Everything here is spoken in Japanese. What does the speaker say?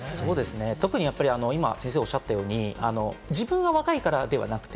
特に今、先生がおっしゃったように、自分が若いからではなくて、